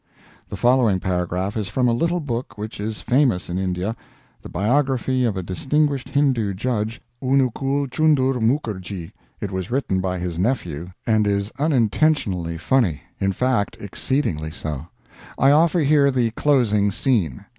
The following paragraph is from a little book which is famous in India the biography of a distinguished Hindoo judge, Onoocool Chunder Mookerjee; it was written by his nephew, and is unintentionally funny in fact, exceedingly so. I offer here the closing scene.